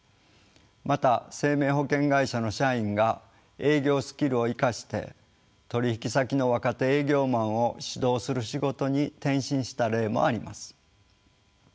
また生命保険会社の社員が営業スキルを生かして取引先の若手営業マンを指導する仕事に転身した例もあります。